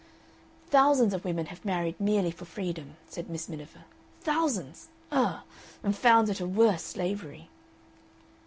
"Thousands of women have married merely for freedom," said Miss Miniver. "Thousands! Ugh! And found it a worse slavery."